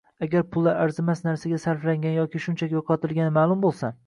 Agar pullar arzimas narsaga sarflangani yoki shunchaki yo‘qotilgani ma’lum bo‘lsa